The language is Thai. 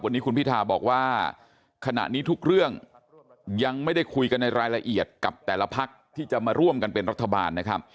วันนี้คุณพิทาบอกว่าขณะนี้ทุกเรื่องยังไม่ได้คุยกันในรายละเอียดกับแต่ละพักที่จะมาร่วมกันเป็นรัฐบาลนะครับ